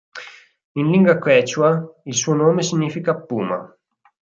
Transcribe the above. In lingua quechua il suo nome significa "puma".